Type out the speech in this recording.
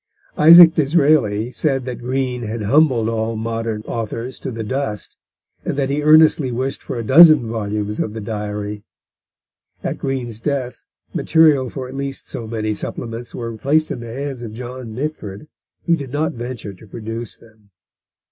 Isaac D'Israeli said that Green had humbled all modern authors to the dust, and that he earnestly wished for a dozen volumes of The Diary. At Green's death material for at least so many supplements were placed in the hands of John Mitford, who did not venture to produce them.